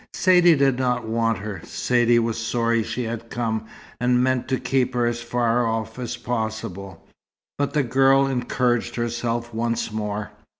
Saidee did not want her. Saidee was sorry she had come, and meant to keep her as far off as possible. But the girl encouraged herself once more.